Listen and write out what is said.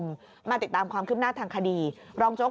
แล้วสุดท้ายก็เห็นกำนันนกมาอืมแต่นี่เดี๋ยวต้องไปดูนะ